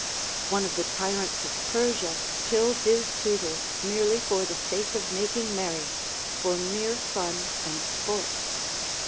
One of the tyrants of Persia killed his tutor merely for the sake of making merry, for mere fun and sport.